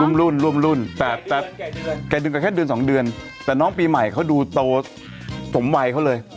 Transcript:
รุ่นร่วมรุ่นแต่แต่แกดึงกันแค่เดือนสองเดือนแต่น้องปีใหม่เขาดูโตสมวัยเขาเลย